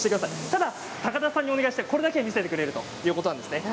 ただ高田さんにお願いしてこれだけは見せてくれるということです。